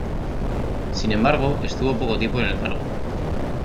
Sin embargo, estuvo poco tiempo en el cargo.